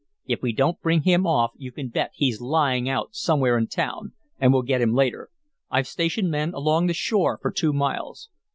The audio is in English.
If we don't bring him off you can bet he's lying out somewhere in town and we'll get him later. I've stationed men along the shore for two miles."